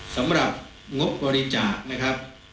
สำหรับงบบริจาะ